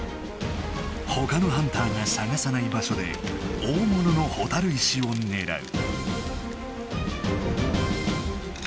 ほかのハンターが探さない場所で大物のほたる石をねらう。